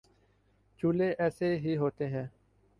چولہے ایسے ہی ہوتے ہوں